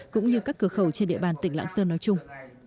cũng như các cửa khẩu trên địa bàn tỉnh lạng sơn nói chung